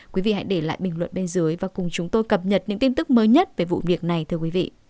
quý vị hãy để lại bình luận bên dưới và cùng chúng tôi cập nhật những tin tức mới nhất về vụ việc này thưa quý vị